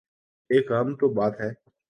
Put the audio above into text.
ایک غم ہو تو بات ہے۔